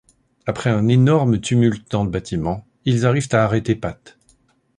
Après un énorme tumulte dans le bâtiment, ils arrivent à arrêter Pat.